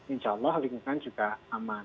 insya allah lingkungan juga aman